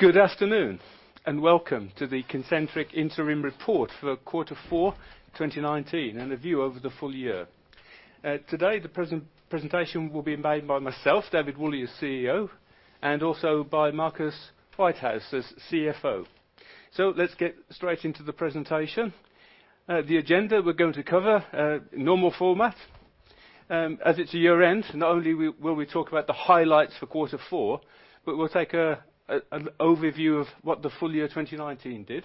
Good afternoon, and welcome to the Concentric Interim Report for Quarter Four 2019 and the view over the full year. Today, the presentation will be made by myself, David Woolley, as CEO, and also by Marcus Whitehouse as CFO. Let's get straight into the presentation. The agenda we're going to cover, normal format. As it's a year-end, not only will we talk about the highlights for quarter four, but we'll take an overview of what the full year 2019 did.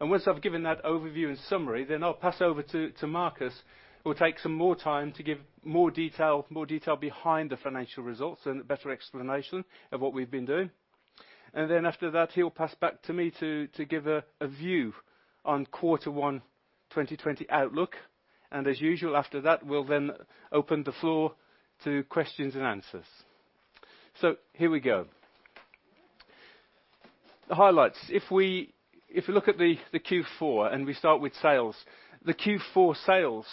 Once I've given that overview and summary, I'll pass over to Marcus, who will take some more time to give more detail behind the financial results and a better explanation of what we've been doing. After that, he'll pass back to me to give a view on Quarter One 2020 outlook. As usual, after that, we'll open the floor to questions and answers. Here we go. The highlights. If we look at the Q4, and we start with sales, the Q4 sales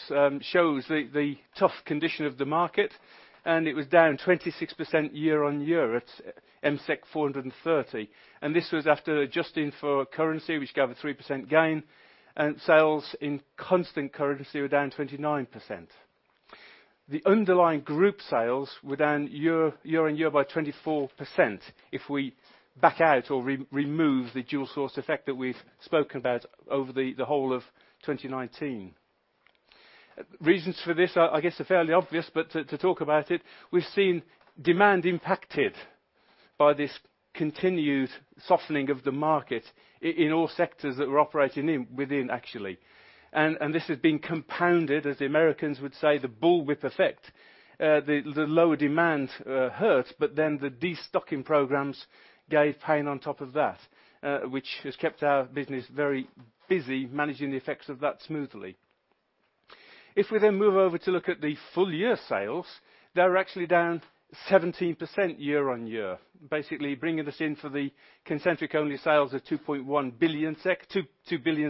shows the tough condition of the market, and it was down 26% year-on-year at MSEK 430. This was after adjusting for currency, which gave a 3% gain, and sales in constant currency were down 29%. The underlying group sales were down year-on-year by 24%, if we back out or remove the dual source effect that we've spoken about over the whole of 2019. Reasons for this, I guess, are fairly obvious, but to talk about it, we've seen demand impacted by this continued softening of the market in all sectors that we're operating within, actually. This has been compounded, as the Americans would say, the bullwhip effect, the lower demand hurt, but then the destocking programs gave pain on top of that, which has kept our business very busy managing the effects of that smoothly. If we then move over to look at the full year sales, they were actually down 17% year-on-year. Basically bringing us in for the Concentric-only sales of 2 billion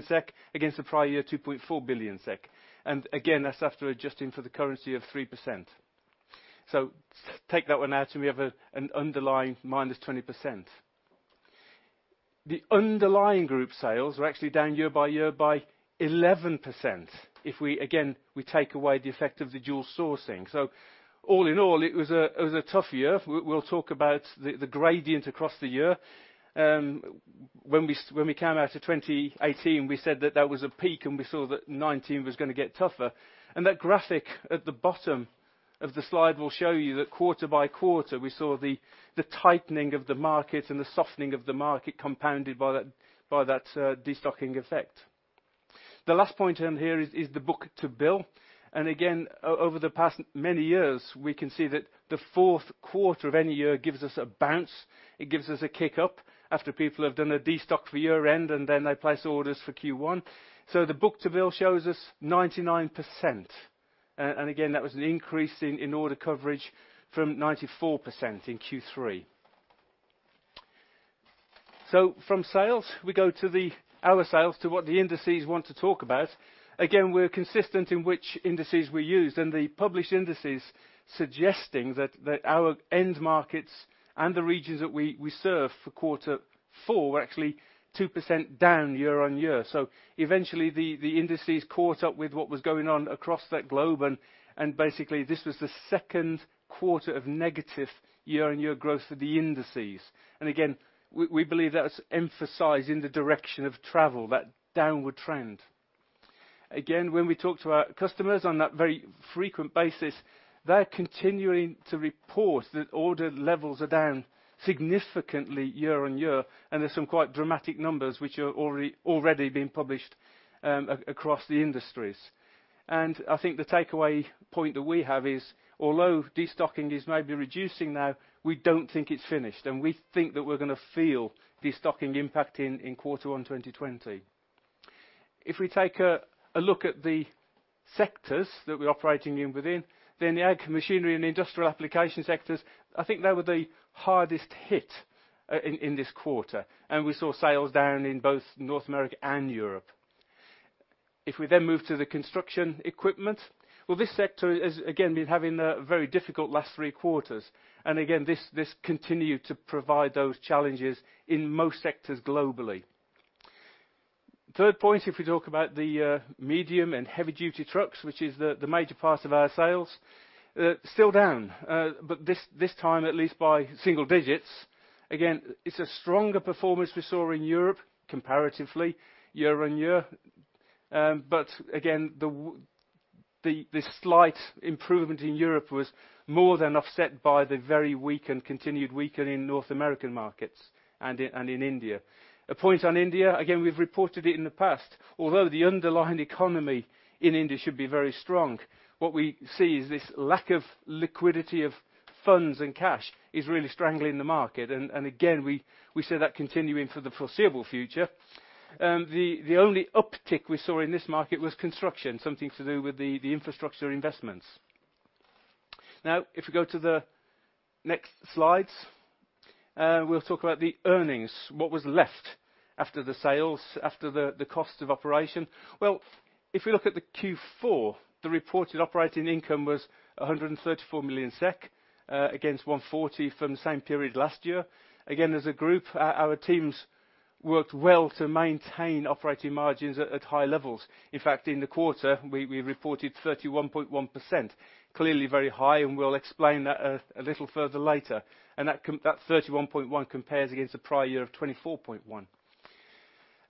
SEK against the prior year, 2.4 billion SEK. Again, that's after adjusting for the currency of 3%. Take that one out, and we have an underlying -20%. The underlying group sales are actually down year-by-year by 11%, if we, again, we take away the effect of the dual sourcing. All in all, it was a tough year. We'll talk about the gradient across the year. When we came out of 2018, we said that that was a peak. We saw that 2019 was going to get tougher. That graphic at the bottom of the slide will show you that quarter by quarter we saw the tightening of the market and the softening of the market compounded by that destocking effect. The last point in here is the book-to-bill. Again, over the past many years, we can see that the fourth quarter of any year gives us a bounce. It gives us a kick up after people have done a destock for year-end, and then they place orders for Q1. The book-to-bill shows us 99%. Again, that was an increase in order coverage from 94% in Q3. From sales, we go to our sales to what the indices want to talk about. We're consistent in which indices we use, and the published indices suggesting that our end markets and the regions that we serve for quarter four were actually 2% down year-on-year. Eventually, the indices caught up with what was going on across that globe, and basically, this was the second quarter of negative year-on-year growth of the indices. Again, we believe that's emphasizing the direction of travel, that downward trend. Again, when we talk to our customers on that very frequent basis, they're continuing to report that order levels are down significantly year-on-year, and there's some quite dramatic numbers which are already being published across the industries. I think the takeaway point that we have is, although destocking is maybe reducing now, we don't think it's finished, and we think that we're going to feel destocking impact in quarter one 2020. If we take a look at the sectors that we're operating within, the machinery and industrial application sectors, I think they were the hardest hit in this quarter. We saw sales down in both North America and Europe. If we move to the construction equipment, well, this sector has, again, been having a very difficult last three quarters. Again, this continued to provide those challenges in most sectors globally. Third point, if we talk about the medium and heavy duty trucks, which is the major part of our sales, still down, but this time at least by single digits. Again, it's a stronger performance we saw in Europe comparatively year-on-year. Again, the slight improvement in Europe was more than offset by the very weak and continued weak in North American markets and in India. A point on India, again, we've reported it in the past, although the underlying economy in India should be very strong, what we see is this lack of liquidity of funds and cash is really strangling the market. Again, we see that continuing for the foreseeable future. The only uptick we saw in this market was construction, something to do with the infrastructure investments. If we go to the next slides, we'll talk about the earnings, what was left after the sales, after the cost of operation. If we look at the Q4, the reported operating income was 134 million SEK, against 140 from the same period last year. As a group, our teams worked well to maintain operating margins at high levels. In fact, in the quarter, we reported 31.1%. Clearly very high, and we'll explain that a little further later. That 31.1% compares against the prior year of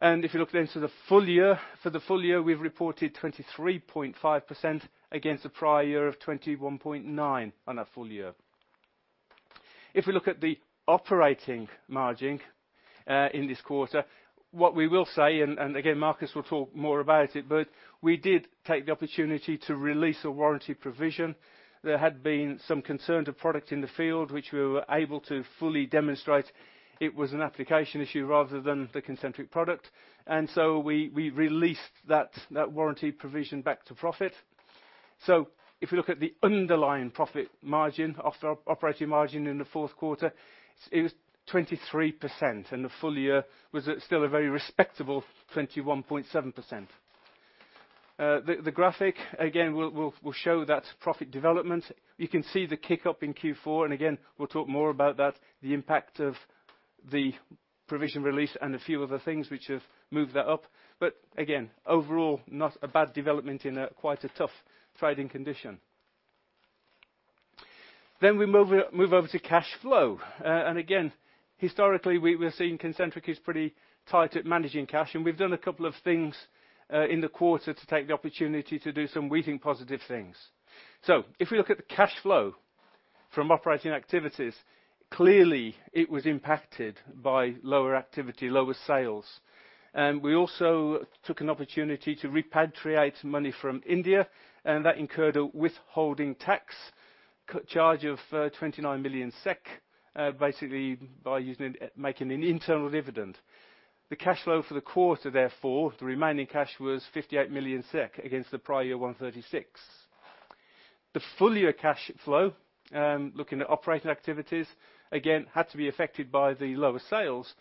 24.1%. If you look then to the full year, for the full year, we've reported 23.5% against the prior year of 21.9% on a full year. If we look at the operating margin in this quarter, what we will say, and again, Marcus will talk more about it, but we did take the opportunity to release a warranty provision. There had been some concern to product in the field, which we were able to fully demonstrate it was an application issue rather than the Concentric product. We released that warranty provision back to profit. If we look at the underlying profit margin, operating margin in the fourth quarter, it was 23%, and the full year was still a very respectable 21.7%. The graphic, again, will show that profit development. You can see the kick-up in Q4, again, we'll talk more about that, the impact of the provision release and a few other things which have moved that up. Again, overall, not a bad development in quite a tough trading condition. We move over to cash flow. Again, historically, we're seeing Concentric is pretty tight at managing cash, and we've done a couple of things in the quarter to take the opportunity to do some really positive things. If we look at the cash flow from operating activities, clearly it was impacted by lower activity, lower sales. We also took an opportunity to repatriate money from India, and that incurred a withholding tax charge of 29 million SEK, basically by making an internal dividend. The cash flow for the quarter, therefore, the remaining cash, was 58 million SEK against the prior year 136. The full year cash flow, looking at operating activities, again, had to be affected by the lower sales.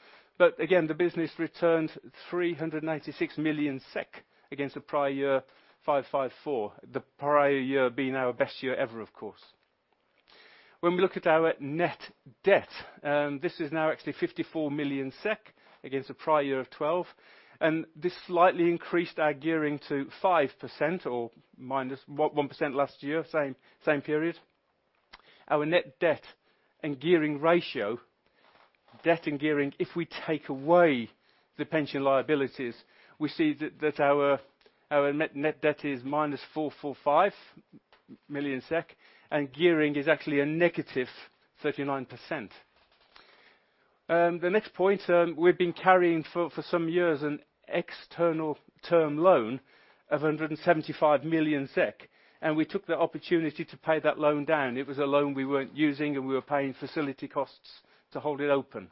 Again, the business returned 396 million SEK against the prior year 554 million, the prior year being our best year ever, of course. When we look at our net debt, this is now actually 54 million SEK against the prior year of 12 million. This slightly increased our gearing to 5% or minus 1% last year, same period. Our net debt and gearing ratio, debt and gearing, if we take away the pension liabilities, we see that our net debt is minus 445 million SEK, and gearing is actually a negative 39%. The next point, we've been carrying for some years an external term loan of 175 million SEK, and we took the opportunity to pay that loan down. It was a loan we weren't using, and we were paying facility costs to hold it open.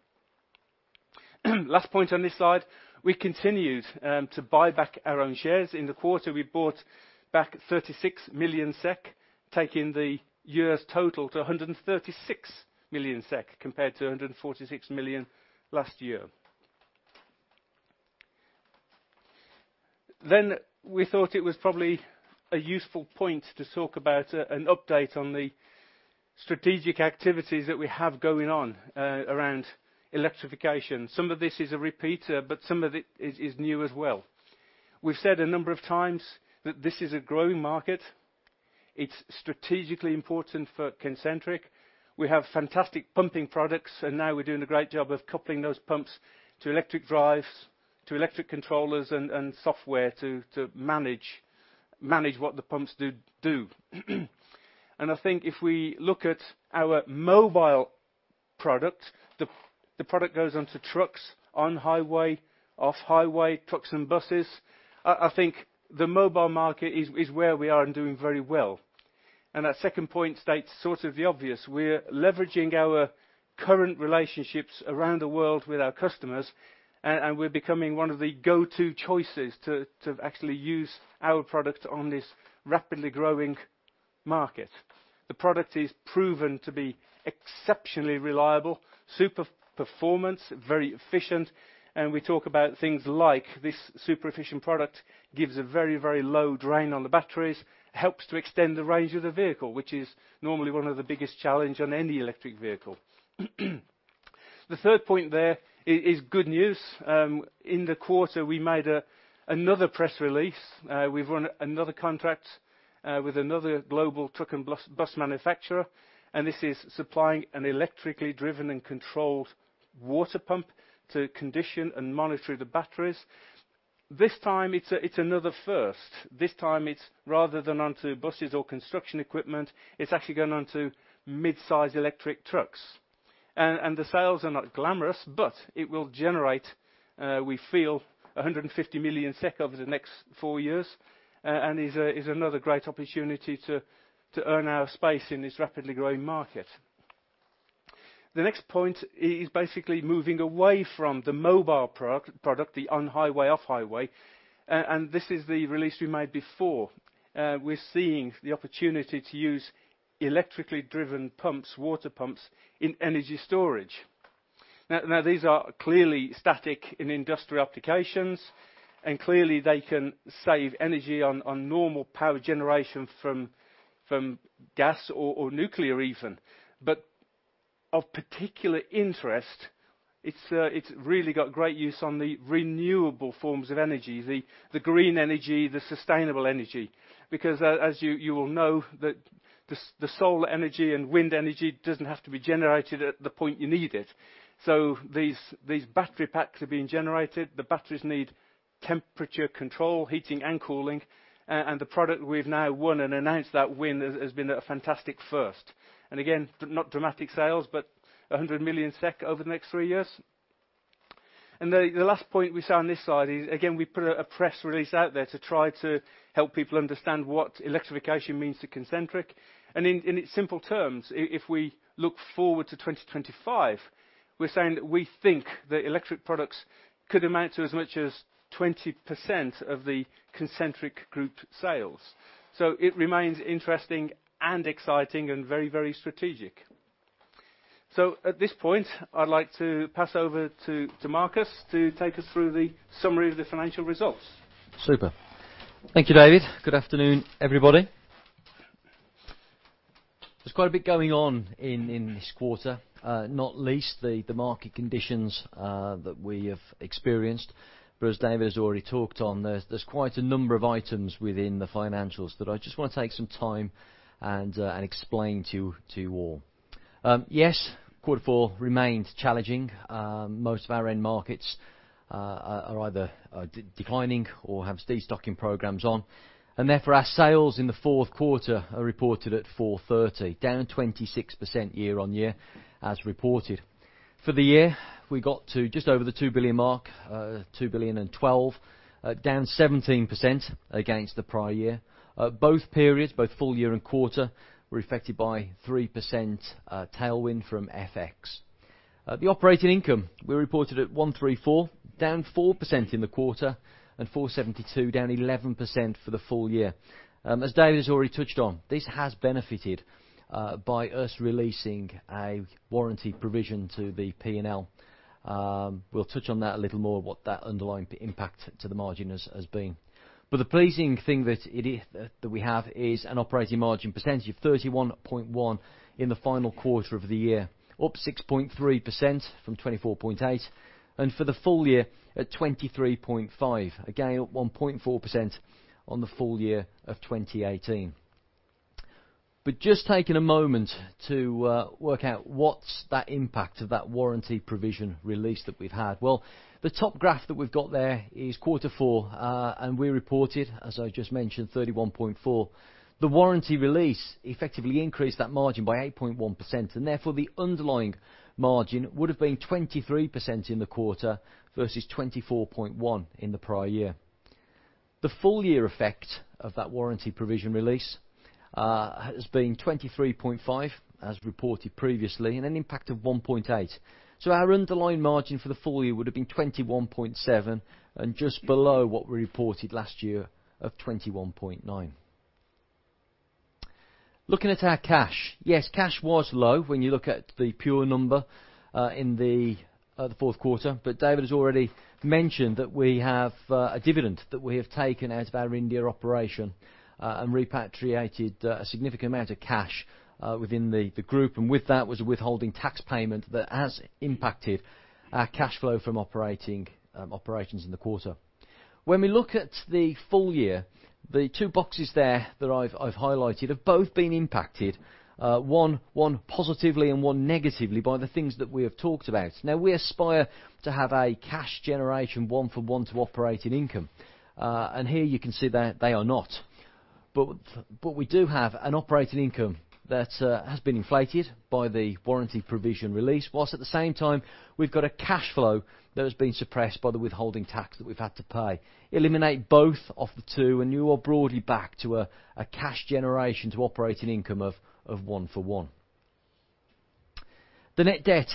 Last point on this slide, we continued to buy back our own shares. In the quarter, we bought back 36 million SEK, taking the year's total to 136 million SEK compared to 146 million last year. We thought it was probably a useful point to talk about an update on the strategic activities that we have going on around electrification. Some of this is a repeater, but some of it is new as well. We've said a number of times that this is a growing market. It's strategically important for Concentric. We have fantastic pumping products, and now we're doing a great job of coupling those pumps to electric drives, to electric controllers and software to manage what the pumps do. I think if we look at our mobile product, the product goes onto trucks on highway, off highway, trucks and buses. I think the mobile market is where we are and doing very well. That second point states sort of the obvious. We're leveraging our current relationships around the world with our customers, and we're becoming one of the go-to choices to actually use our product on this rapidly growing market. The product is proven to be exceptionally reliable, super performance, very efficient. We talk about things like this super efficient product gives a very, very low drain on the batteries, helps to extend the range of the vehicle, which is normally one of the biggest challenge on any electric vehicle. The third point there is good news. In the quarter, we made another press release. We've won another contract with another global truck and bus manufacturer, and this is supplying an electrically driven and controlled water pump to condition and monitor the batteries. This time it's another first. This time it's rather than onto buses or construction equipment, it's actually going onto mid-size electric trucks. The sales are not glamorous, but it will generate, we feel, 150 million SEK over the next four years and is another great opportunity to earn our space in this rapidly growing market. The next point is basically moving away from the mobile product, the on-highway, off-highway, and this is the release we made before. We're seeing the opportunity to use electrically driven pumps, water pumps in energy storage. These are clearly static in industrial applications. Clearly they can save energy on normal power generation from gas or nuclear even. Of particular interest, it's really got great use on the renewable forms of energy, the green energy, the sustainable energy. As you will know, the solar energy and wind energy doesn't have to be generated at the point you need it. These battery packs are being generated. The batteries need temperature control, heating and cooling. The product we've now won and announced that win has been a fantastic first. Again, not dramatic sales, but 100 million SEK over the next three years. The last point we saw on this slide is, again, we put a press release out there to try to help people understand what electrification means to Concentric. In its simple terms, if we look forward to 2025, we're saying that we think that electric products could amount to as much as 20% of the Concentric group sales. It remains interesting and exciting and very, very strategic. At this point, I'd like to pass over to Marcus to take us through the summary of the financial results. Super. Thank you, David. Good afternoon, everybody. There's quite a bit going on in this quarter, not least the market conditions that we have experienced. As David has already talked on, there's quite a number of items within the financials that I just want to take some time and explain to you all. Yes, quarter four remains challenging. Most of our end markets are either declining or have destocking programs on, and therefore, our sales in the fourth quarter are reported at 430 million, down 26% year-over-year as reported. For the year, we got to just over the 2 billion mark, 2,012 million, down 17% against the prior year. Both periods, both full year and quarter, were affected by 3% tailwind from FX. The operating income we reported at 134 million, down 4% in the quarter, and 472 million, down 11% for the full year. As David has already touched on, this has benefited by us releasing a warranty provision to the P&L. We'll touch on that a little more, what that underlying impact to the margin has been. The pleasing thing that we have is an operating margin percentage of 31.1% in the final quarter of the year, up 6.3% from 24.8%, and for the full year at 23.5%, again, up 1.4% on the full year of 2018. Just taking a moment to work out what's that impact of that warranty provision release that we've had. Well, the top graph that we've got there is quarter four, and we reported, as I just mentioned, 31.4%. The warranty release effectively increased that margin by 8.1%, and therefore, the underlying margin would have been 23% in the quarter versus 24.1% in the prior year. The full year effect of that warranty provision release has been 23.5, as reported previously, and an impact of 1.8. Our underlying margin for the full year would have been 21.7% and just below what we reported last year of 21.9%. Looking at our cash. Yes, cash was low when you look at the pure number in the fourth quarter. David has already mentioned that we have a dividend that we have taken out of our India operation and repatriated a significant amount of cash within the group, and with that was a withholding tax payment that has impacted our cash flow from operations in the quarter. When we look at the full year, the two boxes there that I've highlighted have both been impacted, one positively and one negatively by the things that we have talked about. Now we aspire to have a cash generation one for one to operating income. Here you can see they are not. We do have an operating income that has been inflated by the warranty provision release, while at the same time we've got a cash flow that has been suppressed by the withholding tax that we've had to pay. Eliminate both of the two, you are broadly back to a cash generation to operating income of one for one. The net debt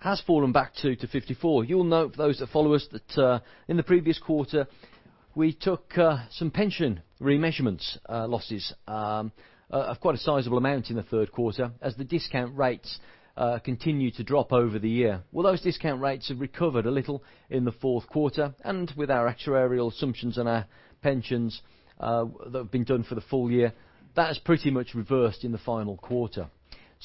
has fallen back to 54. You will note, for those that follow us, that in the previous quarter, we took some pension remeasurement losses of quite a sizable amount in the third quarter as the discount rates continued to drop over the year. Well, those discount rates have recovered a little in the fourth quarter, and with our actuarial assumptions and our pensions that have been done for the full year, that is pretty much reversed in the final quarter.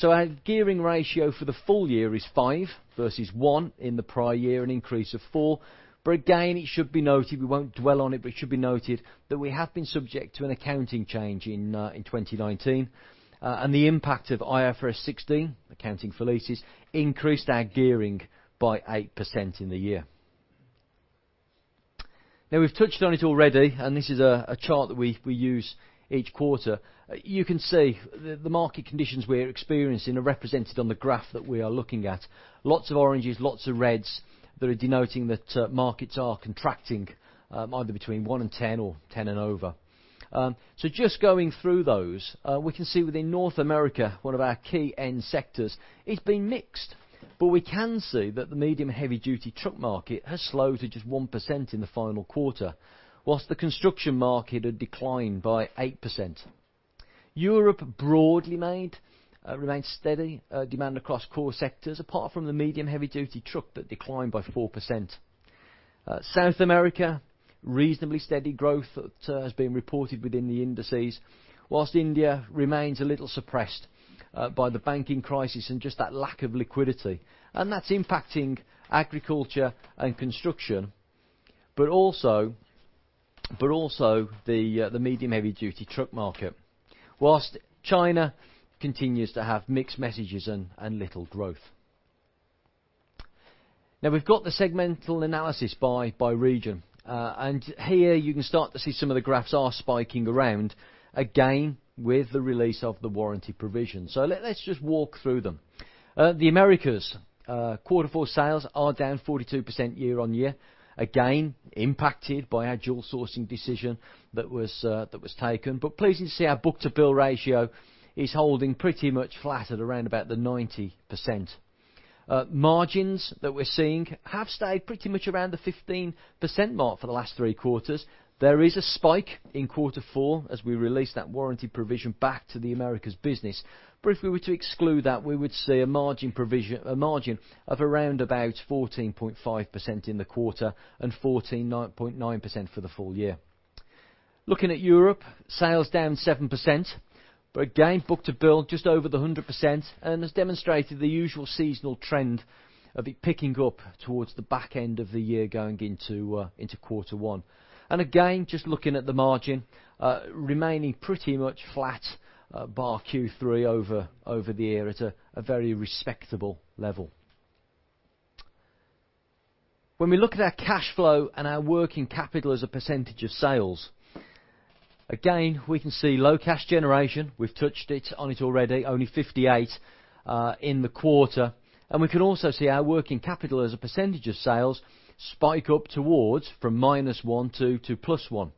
Our gearing ratio for the full year is five versus one in the prior year, an increase of four. Again, it should be noted, we won't dwell on it, but it should be noted that we have been subject to an accounting change in 2019, and the impact of IFRS 16, IFRS 16 Leases, increased our gearing by 8% in the year. We've touched on it already, and this is a chart that we use each quarter. You can see the market conditions we're experiencing are represented on the graph that we are looking at. Lots of oranges, lots of reds that are denoting that markets are contracting either between one and 10 or 10 and over. Just going through those, we can see within North America, one of our key end sectors, it's been mixed. We can see that the medium heavy-duty truck market has slowed to just 1% in the final quarter, whilst the construction market had declined by 8%. Europe broadly remains steady demand across core sectors, apart from the medium heavy-duty truck that declined by 4%. South America, reasonably steady growth has been reported within the indices, whilst India remains a little suppressed by the banking crisis and just that lack of liquidity. That's impacting agriculture and construction, but also the medium heavy-duty truck market. Whilst China continues to have mixed messages and little growth. We've got the segmental analysis by region. Here you can start to see some of the graphs are spiking around, again, with the release of the warranty provision. Let's just walk through them. The Americas, quarter four sales are down 42% year-on-year. Again, impacted by our dual sourcing decision that was taken. Pleasing to see our book-to-bill ratio is holding pretty much flat at around about the 90%. Margins that we're seeing have stayed pretty much around the 15% mark for the last three quarters. There is a spike in quarter four as we release that warranty provision back to the Americas business. If we were to exclude that, we would see a margin of around about 14.5% in the quarter and 14.9% for the full year. Looking at Europe, sales down 7%, but again, book-to-bill just over the 100% and has demonstrated the usual seasonal trend of it picking up towards the back end of the year going into quarter one. Again, just looking at the margin, remaining pretty much flat year-over-year at a very respectable level. When we look at our cash flow and our working capital as a percentage of sales, again, we can see low cash generation. We've touched on it already, only 58 million in the quarter. We can also see our working capital as a percentage of sales spike up towards from -1% to +1%.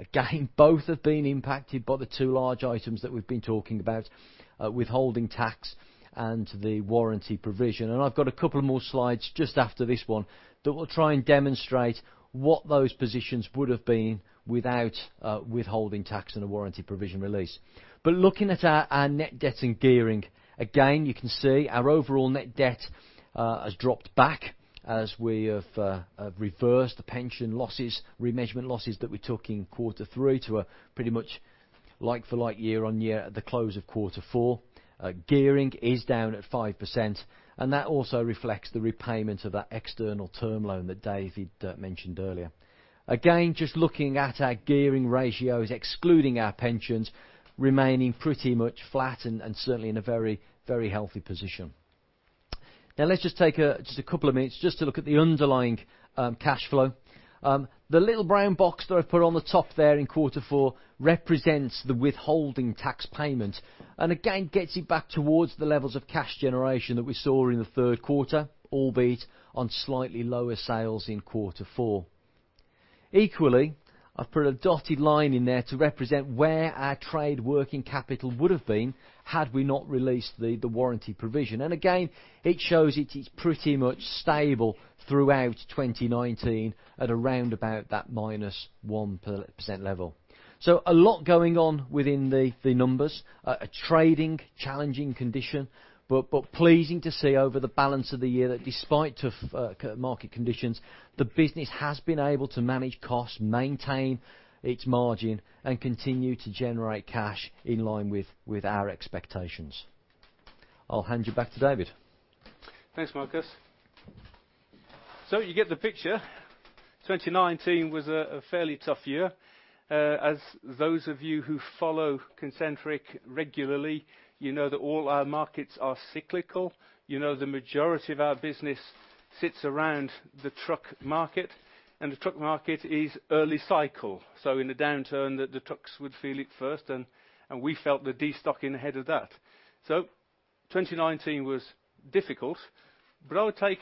Again, both have been impacted by the two large items that we've been talking about, withholding tax and the warranty provision. I've got a couple of more slides just after this one that will try and demonstrate what those positions would have been without withholding tax and a warranty provision release. Looking at our net debt and gearing, again, you can see our overall net debt has dropped back as we have reversed the pension losses, remeasurement losses that we took in quarter three to a pretty much like for like year-on-year at the close of quarter four. Gearing is down at 5%, and that also reflects the repayment of that external term loan that David mentioned earlier. Just looking at our gearing ratios, excluding our pensions, remaining pretty much flat and certainly in a very healthy position. Let's just take just a couple of minutes just to look at the underlying cash flow. The little brown box that I've put on the top there in quarter four represents the withholding tax payment, and again, gets it back towards the levels of cash generation that we saw in the third quarter, albeit on slightly lower sales in quarter four. Equally, I've put a dotted line in there to represent where our trade working capital would have been had we not released the warranty provision. Again, it shows it is pretty much stable throughout 2019 at around about that -1% level. A lot going on within the numbers, a trading challenging condition, but pleasing to see over the balance of the year that despite tough market conditions, the business has been able to manage costs, maintain its margin, and continue to generate cash in line with our expectations. I'll hand you back to David. Thanks, Marcus. You get the picture. 2019 was a fairly tough year. As those of you who follow Concentric regularly, you know that all our markets are cyclical. You know the majority of our business sits around the truck market, and the truck market is early cycle. In the downturn, the trucks would feel it first, and we felt the destocking ahead of that. 2019 was difficult, but I would take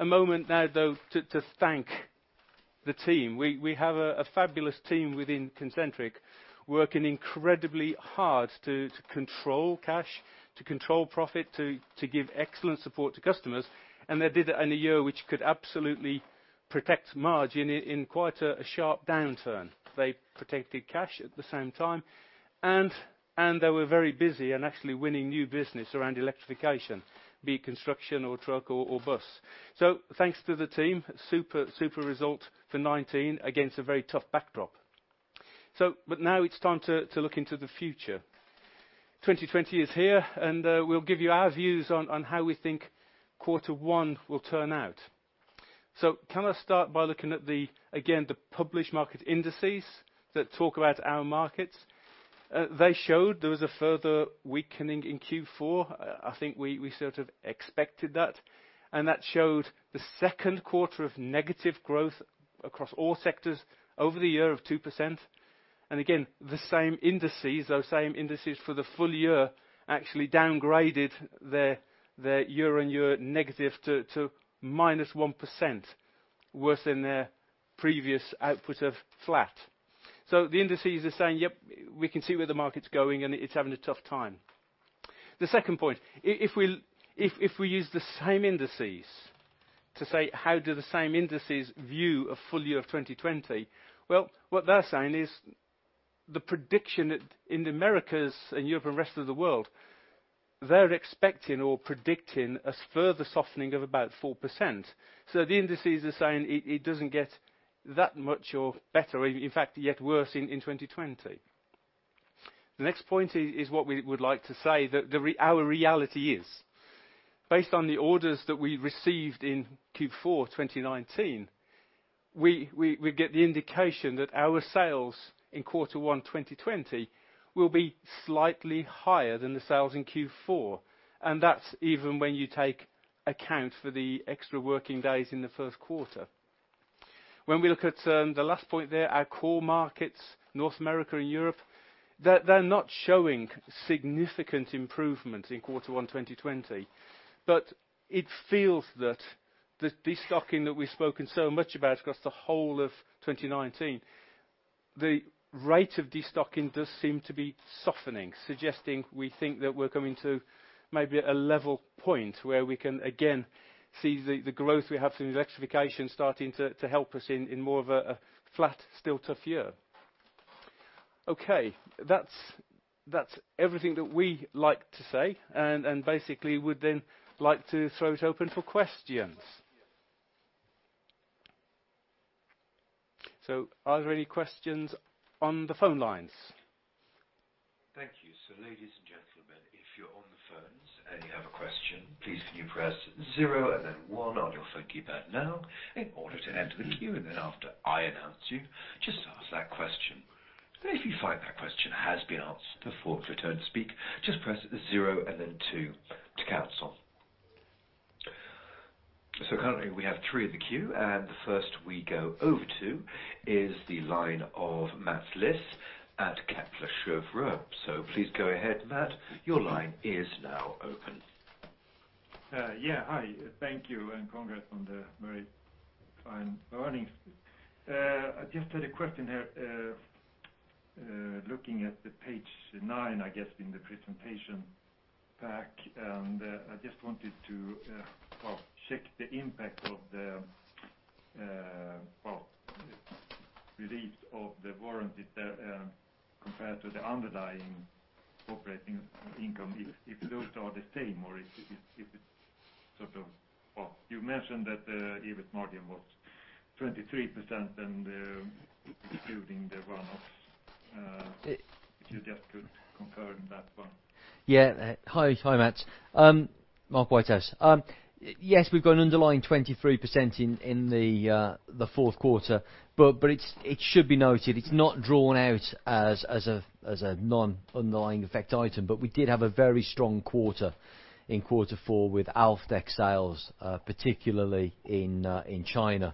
a moment now, though, to thank the team. We have a fabulous team within Concentric working incredibly hard to control cash, to control profit, to give excellent support to customers, and they did it in a year which could absolutely protect margin in quite a sharp downturn. They protected cash at the same time, and they were very busy and actually winning new business around electrification, be it construction or truck or bus. Thanks to the team, super result for 2019 against a very tough backdrop. Now it's time to look into the future. 2020 is here, and we'll give you our views on how we think quarter one will turn out. Can I start by looking at the, again, the published market indices that talk about our markets? They showed there was a further weakening in Q4. I think we sort of expected that. That showed the second quarter of negative growth across all sectors over the year of 2%. Again, the same indices, those same indices for the full year actually downgraded their year-on-year negative to -1%, worse than their previous output of flat. The indices are saying, yep, we can see where the market's going, and it's having a tough time. The second point, if we use the same indices to say, how do the same indices view a full year of 2020, well, what they're saying is the prediction that in Americas and Europe and the rest of the world, they're expecting or predicting a further softening of about 4%. The indices are saying it doesn't get that much or better, in fact, yet worse in 2020. The next point is what we would like to say that our reality is. Based on the orders that we received in Q4 2019, we get the indication that our sales in quarter one 2020 will be slightly higher than the sales in Q4. That's even when you take account for the extra working days in the first quarter. When we look at the last point there, our core markets, North America and Europe, they're not showing significant improvement in Q1 2020. It feels that the de-stocking that we've spoken so much about across the whole of 2019, the rate of de-stocking does seem to be softening, suggesting we think that we're coming to maybe a level point where we can again see the growth we have through electrification starting to help us in more of a flat, still tougher year. Okay. That's everything that we like to say, and basically would then like to throw it open for questions. Are there any questions on the phone lines? Thank you. Ladies and gentlemen, if you're on the phones and you have a question, please can you press zero and then one on your phone keypad now in order to enter the queue, and then after I announce you, just ask that question. If you find that question has been asked before it's your turn to speak, just press zero and then two to cancel. Currently, we have three in the queue, and the first we go over to is the line of Mats Liss at Kepler Cheuvreux. Please go ahead, Mats. Your line is now open. Hi. Thank you, and congrats on the very fine earnings. I just had a question here. Looking at the page nine, I guess, in the presentation pack, I just wanted to check the impact of the release of the warranty there compared to the underlying operating income, if those are the same or You mentioned that the EBIT margin was 23% including the run-offs. If you just could confirm that one. Hi, Mats. Marcus Whitehouse. We've got an underlying 23% in the fourth quarter, it should be noted, it's not drawn out as a non-underlying effect item. We did have a very strong quarter in quarter four with Alfdex sales, particularly in China.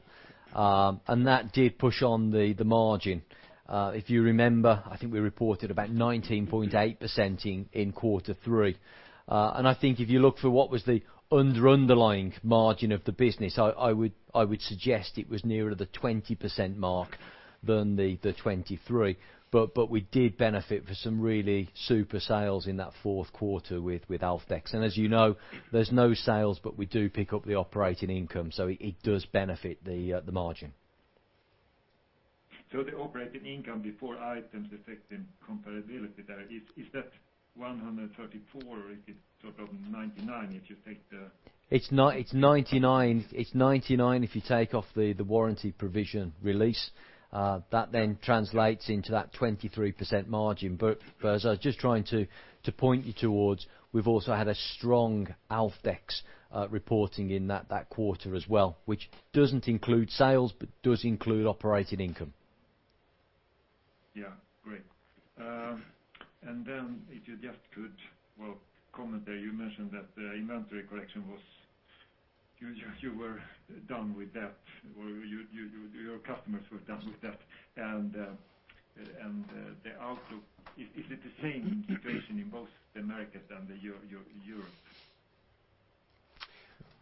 That did push on the margin. If you remember, I think we reported about 19.8% in quarter three. I think if you look for what was the underlying margin of the business, I would suggest it was nearer the 20% mark than the 23%. We did benefit for some really super sales in that fourth quarter with Alfdex. As you know, there's no sales, we do pick up the operating income, it does benefit the margin. The operating income before items affecting comparability there, is that 134 or is it sort of 99? It's 99 if you take off the warranty provision release. That translates into that 23% margin. As I was just trying to point you towards, we've also had a strong Alfdex reporting in that quarter as well, which doesn't include sales but does include operating income. Yeah. Great. If you just could, well, comment there, you mentioned that the inventory correction was, you were done with that, or your customers were done with that. The outlook, is it the same situation in both the Americas and the Europe?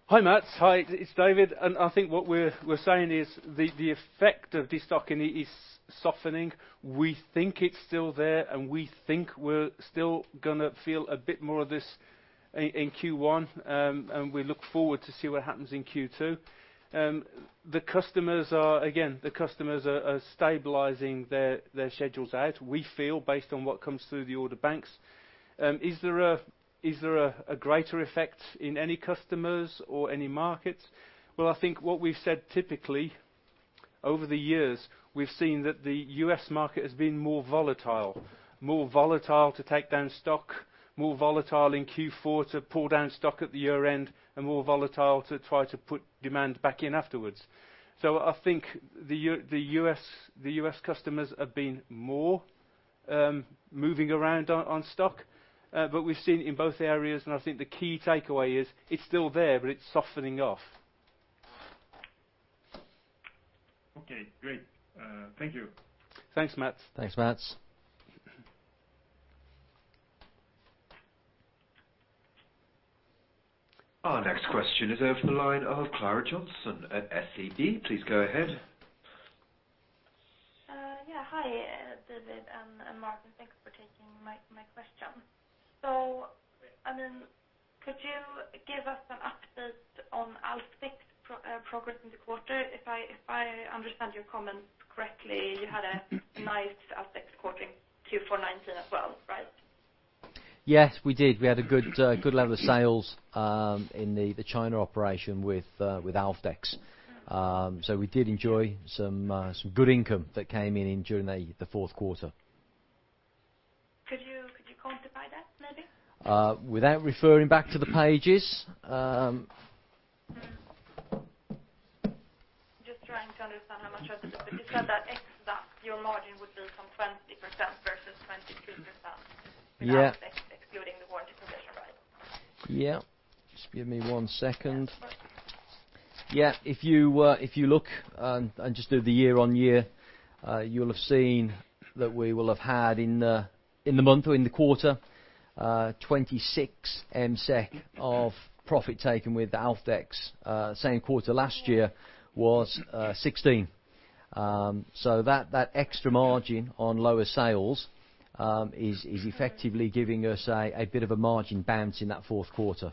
Hi, Mats. Hi, it's David. I think what we're saying is the effect of de-stocking is softening. We think it's still there. We think we're still gonna feel a bit more of this in Q1. We look forward to see what happens in Q2. Again, the customers are stabilizing their schedules out. We feel, based on what comes through the order banks. Is there a greater effect in any customers or any markets? Well, I think what we've said typically over the years, we've seen that the U.S. market has been more volatile. More volatile to take down stock, more volatile in Q4 to pull down stock at the year-end, more volatile to try to put demand back in afterwards. I think the U.S. customers have been more moving around on stock, but we've seen in both areas, and I think the key takeaway is it's still there, but it's softening off. Okay. Great. Thank you. Thanks, Mats. Thanks, Mats. Our next question is over the line of Klara Jonsson at SEB. Please go ahead. Yeah. Hi, David and Marcus. Thanks for taking my question. Could you give us an update on Alfdex progress in the quarter? If I understand your comments correctly, you had a nice Alfdex quarter in Q4 2019 as well, right? Yes, we did. We had a good level of sales in the China operation with Alfdex. We did enjoy some good income that came in during the fourth quarter. Could you quantify that, maybe? Without referring back to the pages. Just trying to understand how much of it. Because you said that your margin would be some 20% versus 22%. Yeah. Ex Alfdex excluding the one, right? Yeah. Just give me one second. Yeah, of course. If you look and just do the year-over-year, you'll have seen that we will have had in the month or in the quarter, 26 MSEK of profit taken with the Alfdex. Same quarter last year was 16. That extra margin on lower sales is effectively giving us a bit of a margin bounce in that fourth quarter.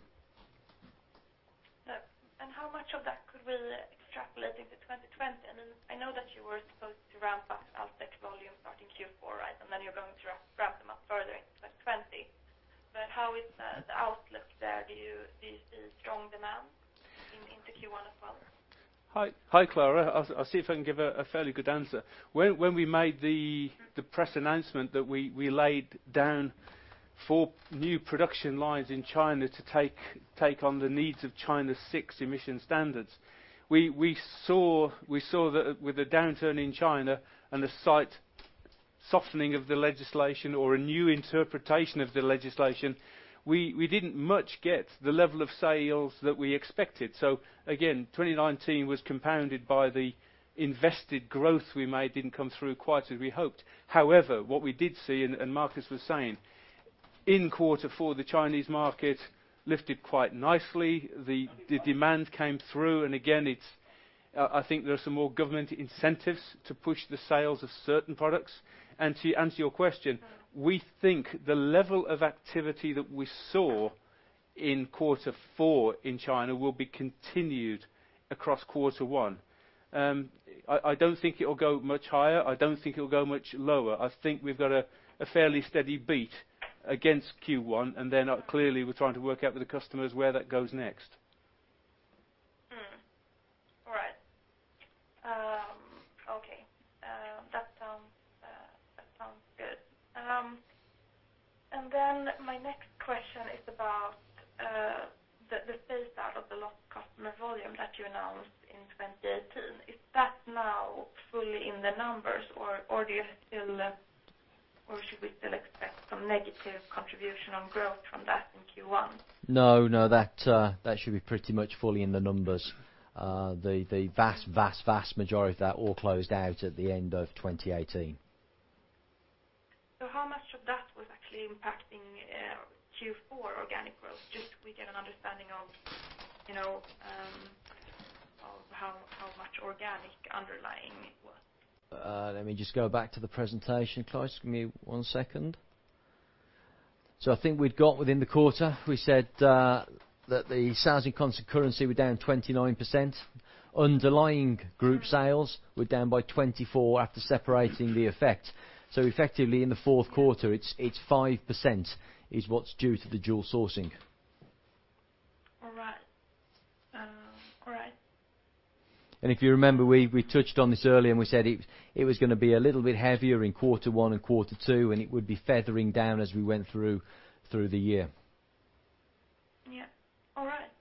Yeah. How much of that could we extrapolate into 2020? I know that you were supposed to ramp up Alfdex volume starting Q4, right? You're going to ramp them up further in 2020. How is the outlook there? Do you see strong demand into Q1 as well? Hi, Klara. I'll see if I can give a fairly good answer. When we made the press announcement that we laid down four new production lines in China to take on the needs of China VI emission standards, we saw that with the downturn in China and the slight softening of the legislation or a new interpretation of the legislation, we didn't much get the level of sales that we expected. Again, 2019 was compounded by the invested growth we made didn't come through quite as we hoped. However, what we did see, and Marcus was saying, in quarter four the Chinese market lifted quite nicely. The demand came through, and again, I think there are some more government incentives to push the sales of certain products. To answer your question, we think the level of activity that we saw in quarter four in China will be continued across quarter one. I don't think it will go much higher. I don't think it will go much lower. I think we've got a fairly steady beat against Q1. Clearly we're trying to work out with the customers where that goes next. All right. Okay. That sounds good. My next question is about the phase out of the lost customer volume that you announced in 2018. Is that now fully in the numbers or should we still expect some negative contribution on growth from that in Q1? No, that should be pretty much fully in the numbers. The vast, vast majority of that all closed out at the end of 2018. How much of that was actually impacting Q4 organic growth? Just so we get an understanding of how much organic underlying it was. Let me just go back to the presentation, guys. Give me one second. I think we've got within the quarter, we said that the sales in constant currency were down 29%. Underlying group sales were down by 24% after separating the effect. Effectively in the fourth quarter, it's 5% is what's due to the dual sourcing. All right. If you remember, we touched on this earlier, and we said it was going to be a little bit heavier in quarter one and quarter two, and it would be feathering down as we went through the year. All right.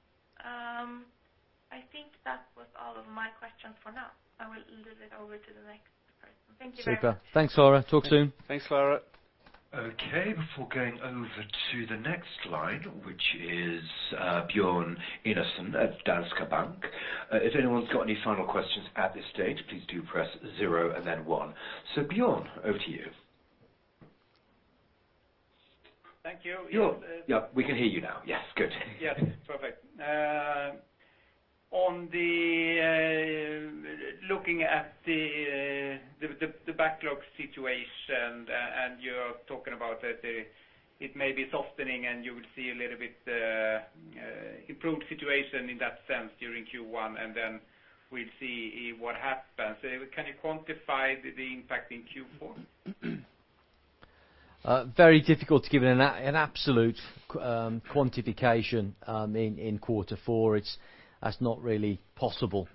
I think that was all of my questions for now. I will leave it over to the next person. Thank you very much. Super. Thanks, Klara. Talk soon. Thanks, Klara. Okay. Before going over to the next line, which is Björn Enarson at Danske Bank, if anyone's got any final questions at this stage, please do press zero and then one. Björn, over to you. Thank you. Björn. Yeah, we can hear you now. Yes, good. Yes. Perfect. Looking at the backlog situation, you are talking about that it may be softening, you would see a little bit improved situation in that sense during Q1, then we'll see what happens. Can you quantify the impact in Q4? Very difficult to give an absolute quantification in quarter four. That's not really possible.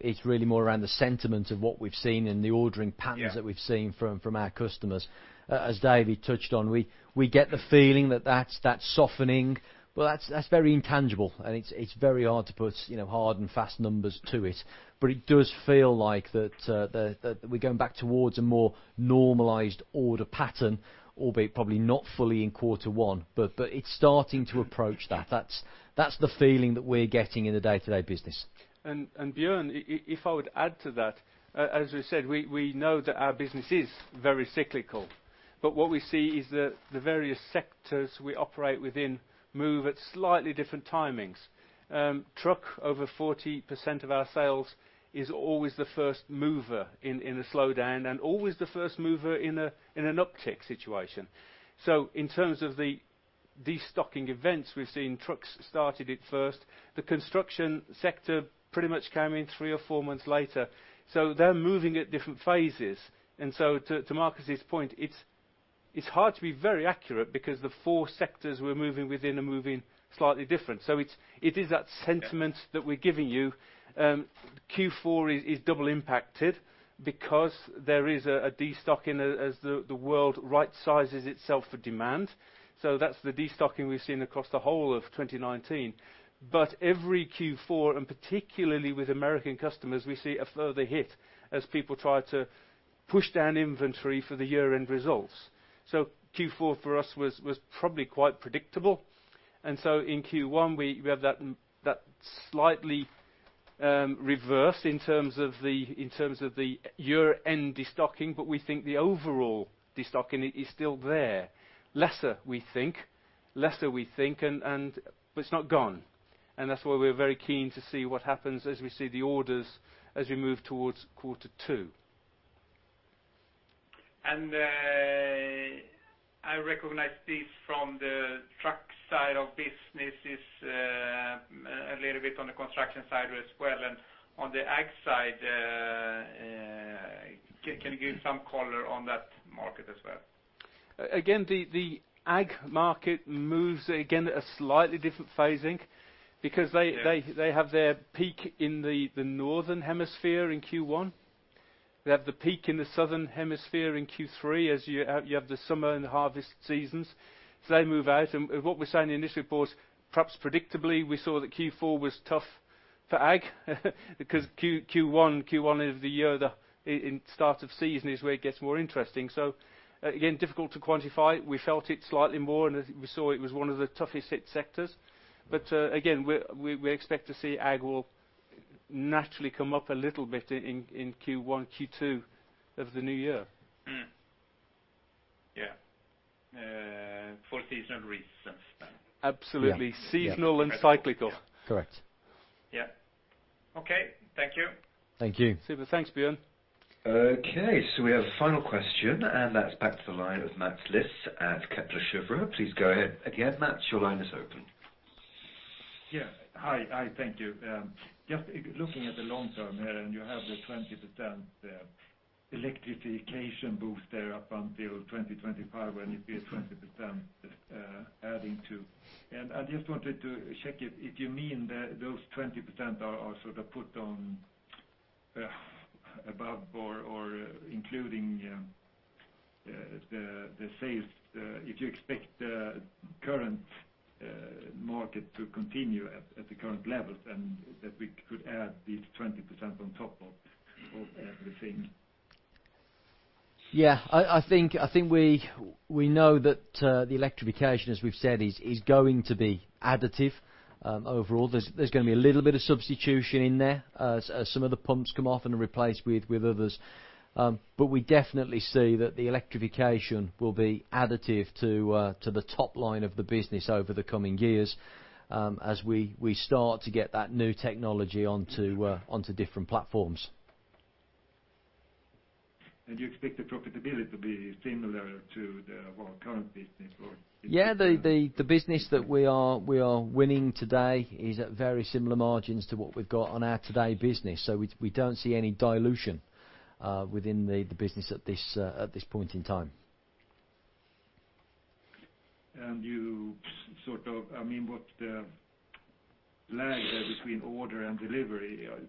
It's really more around the sentiment of what we've seen and the ordering patterns that we've seen from our customers. As David touched on, we get the feeling that that's softening. Well, that's very intangible, and it's very hard to put hard and fast numbers to it. It does feel like that we're going back towards a more normalized order pattern, albeit probably not fully in quarter one. It's starting to approach that. That's the feeling that we're getting in the day-to-day business. Björn, if I would add to that, as we said, we know that our business is very cyclical. What we see is that the various sectors we operate within move at slightly different timings. Truck, over 40% of our sales is always the first mover in a slowdown and always the first mover in an uptick situation. In terms of the destocking events, we've seen trucks started it first. The construction sector pretty much came in three or four months later. They're moving at different phases. To Marcus point, it's hard to be very accurate because the four sectors we're moving within are moving slightly different. It is that sentiment that we're giving you. Q4 is double impacted because there is a destocking as the world right-sizes itself for demand. That's the destocking we've seen across the whole of 2019. Every Q4, and particularly with American customers, we see a further hit as people try to push down inventory for the year-end results. Q4 for us was probably quite predictable, and so in Q1 we have that slightly reversed in terms of the year-end destocking, but we think the overall destocking is still there. Lesser, we think, but it's not gone, and that's why we're very keen to see what happens as we see the orders as we move towards quarter two. I recognize this from the truck side of business is a little bit on the construction side as well, and on the ag side, can you give some color on that market as well? Again, the ag market moves, again, at a slightly different phasing because. Yeah. Have their peak in the northern hemisphere in Q1. They have the peak in the southern hemisphere in Q3 as you have the summer and the harvest seasons. They move out, and what we say in the initial reports, perhaps predictably, we saw that Q4 was tough for ag because Q1 of the year, the start of season is where it gets more interesting. Again, difficult to quantify. We felt it slightly more, and we saw it was one of the toughest hit sectors. Again, we expect to see ag will naturally come up a little bit in Q1, Q2 of the new year. Yeah. For seasonal reasons then. Absolutely. Yeah. Seasonal and cyclical. Correct. Yeah. Okay. Thank you. Thank you. Super. Thanks, Björn. Okay, we have a final question, and that's back to the line of Mats Liss at Kepler Cheuvreux. Please go ahead again, Mats. Your line is open. Yeah. Hi. Thank you. Just looking at the long term here, and you have the 20% electrification boost there up until 2025 when you be at 20% adding to. I just wanted to check if you mean that those 20% are sort of put on above or including the sales, if you expect the current market to continue at the current level and that we could add the 20% on top of everything? Yeah. I think we know that the electrification, as we've said, is going to be additive overall. There's going to be a little bit of substitution in there as some of the pumps come off and are replaced with others. We definitely see that the electrification will be additive to the top line of the business over the coming years as we start to get that new technology onto different platforms. Do you expect the profitability to be similar to the current business? Yeah, the business that we are winning today is at very similar margins to what we've got on our today business. We don't see any dilution within the business at this point in time. You I mean, what the lag there between order and delivery are,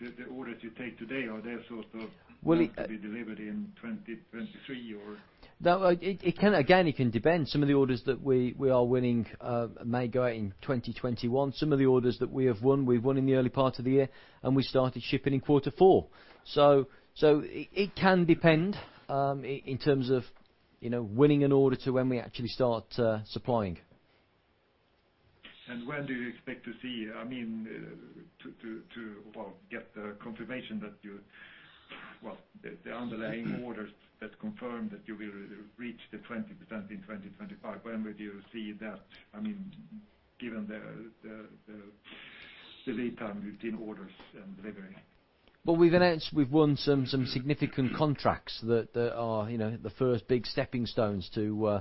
the orders you take today, are they sort of? Well, it-. To be delivered in 2023 or? No. Again, it can depend. Some of the orders that we are winning may go out in 2021. Some of the orders that we have won, we've won in the early part of the year, and we started shipping in quarter four. It can depend in terms of winning an order to when we actually start supplying. When do you expect to see, I mean, to get the confirmation Well, the underlying orders that confirm that you will reach the 20% in 2025, when would you see that? Given the lead time between orders and delivery. We've announced we've won some significant contracts that are the first big stepping stones to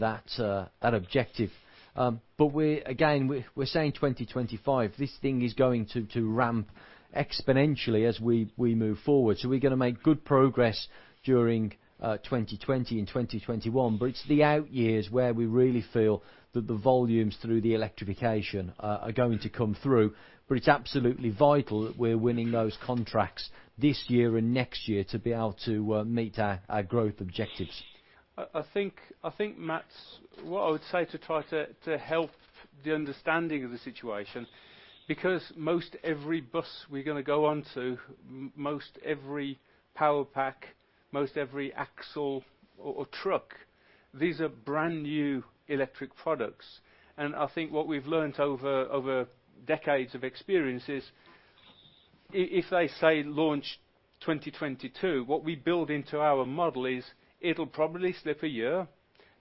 that objective. Again, we're saying 2025. This thing is going to ramp exponentially as we move forward. We're going to make good progress during 2020 and 2021, but it's the out years where we really feel that the volumes through the electrification are going to come through. It's absolutely vital that we're winning those contracts this year and next year to be able to meet our growth objectives. I think, Mats, what I would say to try to help the understanding of the situation, because most every bus we're going to go onto, most every power pack, most every axle or truck, these are brand-new electric products. I think what we've learned over decades of experience is if they say launch 2022, what we build into our model is it'll probably slip a year.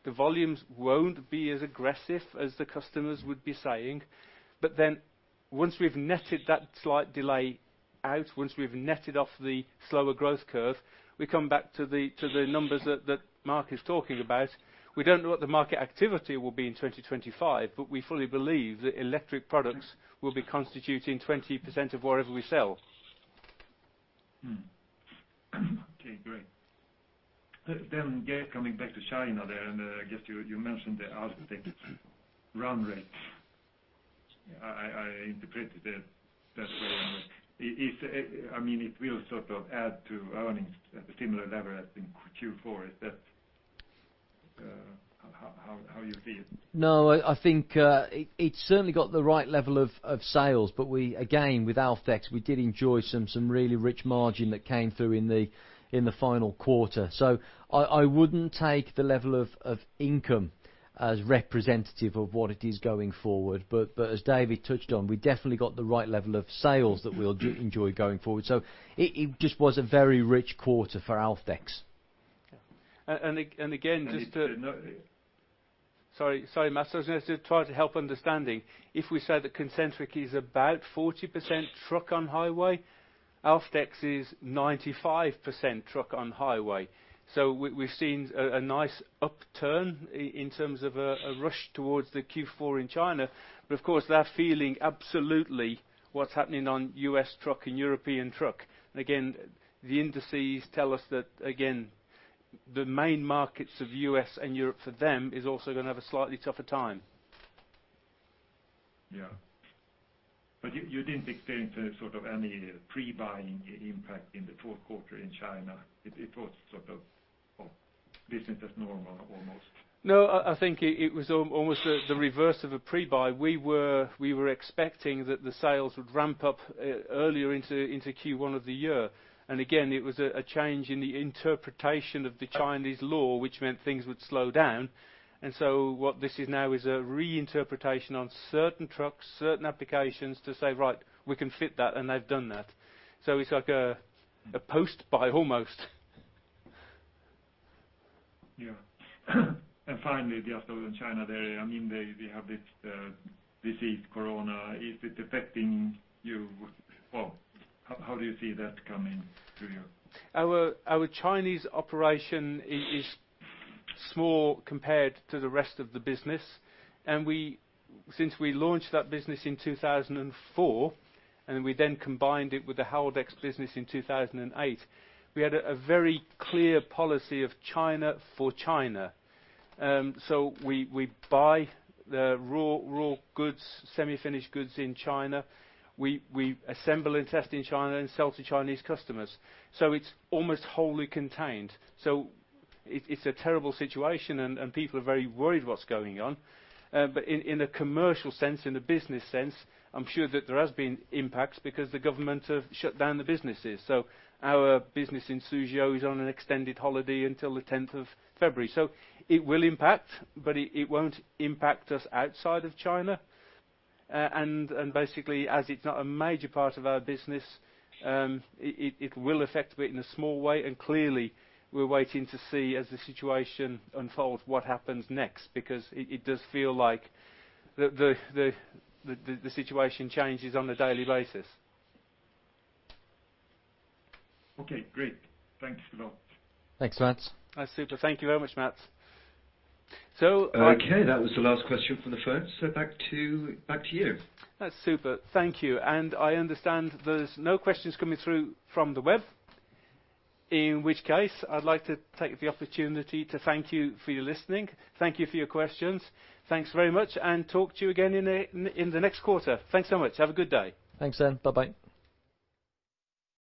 The volumes won't be as aggressive as the customers would be saying. Once we've netted that slight delay out, once we've netted off the slower growth curve, we come back to the numbers that Marcus is talking about. We don't know what the market activity will be in 2025, we fully believe that electric products will be constituting 20% of whatever we sell. Okay, great. Coming back to China there, I guess you mentioned the Alfdex run rate. I interpreted it that way. It will sort of add to earnings at the similar level as in Q4. Is that how you see it? No, I think it's certainly got the right level of sales. We, again, with Alfdex, we did enjoy some really rich margin that came through in the final quarter. I wouldn't take the level of income as representative of what it is going forward. As David touched on, we definitely got the right level of sales that we'll enjoy going forward. It just was a very rich quarter for Alfdex. And again, just to-. And it didn't-. Sorry, Mats, I was going to try to help understanding. If we say that Concentric is about 40% truck on highway, Alfdex is 95% truck on highway. We've seen a nice upturn in terms of a rush towards the Q4 in China. Of course, they are feeling absolutely what's happening on U.S. truck and European truck. Again, the indices tell us that the main markets of U.S. and Europe for them is also going to have a slightly tougher time. Yeah. You didn't experience any pre-buying impact in the fourth quarter in China. It was business as normal, almost. No, I think it was almost the reverse of a pre-buy. We were expecting that the sales would ramp up earlier into Q1 of the year. Again, it was a change in the interpretation of the Chinese law, which meant things would slow down. What this is now is a reinterpretation on certain trucks, certain applications to say, "Right, we can fit that," and they've done that. It's like a post-buy almost. Yeah. Finally, just on China there, they have this disease, coronavirus, is it affecting you? How do you see that coming to you? Our Chinese operation is small compared to the rest of the business. Since we launched that business in 2004, and we then combined it with the Haldex business in 2008, we had a very clear policy of China for China. We buy the raw goods, semi-finished goods in China. We assemble and test in China and sell to Chinese customers. It's almost wholly contained. It's a terrible situation, and people are very worried what's going on. In a commercial sense, in the business sense, I'm sure that there has been impacts because the government have shut down the businesses. Our business in Suzhou is on an extended holiday until the 10th of February. It will impact, but it won't impact us outside of China. Basically, as it's not a major part of our business, it will affect it in a small way. Clearly, we're waiting to see as the situation unfolds what happens next, because it does feel like the situation changes on a daily basis. Okay, great. Thank you for that. Thanks, Mats. That's super. Thank you very much, Mats. Okay, that was the last question from the phone. Back to you. That's super. Thank you. I understand there's no questions coming through from the web. In which case, I'd like to take the opportunity to thank you for your listening. Thank you for your questions. Thanks very much, and talk to you again in the next quarter. Thanks so much. Have a good day. Thanks, then. Bye-bye.